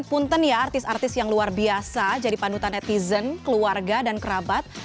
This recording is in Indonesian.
punten ya artis artis yang luar biasa jadi panutan netizen keluarga dan kerabat